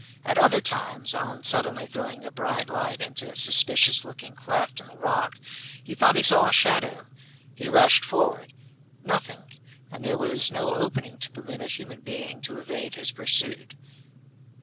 At other times, on suddenly throwing a bright light into a suspicious looking cleft in the rock, he thought he saw a shadow. He rushed forward. Nothing, and there was no opening to permit a human being to evade his pursuit!